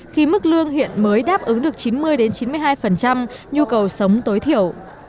khi mức lương hiện mới đáp ứng được chín mươi chín mươi hai nhu cầu sống tối thiểu